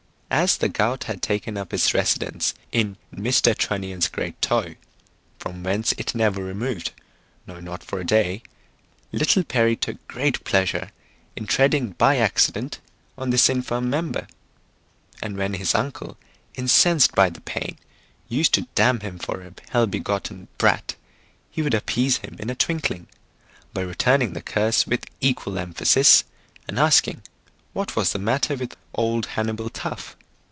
As the gout had taken up its residence in Mr. Trunnion's great toe, from whence it never removed, no not for a day, little Perry took great pleasure in treading by accident on this infirm member; and when his uncle, incensed by the pain, used to damn him for a hell begotten brat, he would appease him in a twinkling, by returning the curse with equal emphasis, and asking what was the matter with old Hannibal Tough?